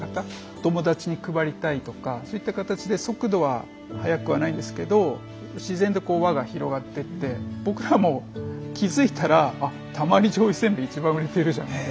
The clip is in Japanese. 友達に配りたいとかそういった形で速度は速くはないんですけど自然と輪が広がってって僕らも気付いたらたまり醤油せんべい一番売れてるじゃんみたいな。